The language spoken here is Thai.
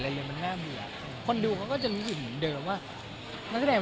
แล้วก็มีคนที่ช่วยดูในเรื่องแบบ